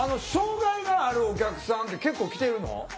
障害があるお客さんって結構来てるの？